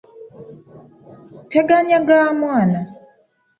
Teganyaga mwana.